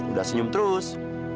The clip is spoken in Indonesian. udah senyum terus